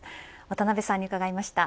渡辺さんに伺いました。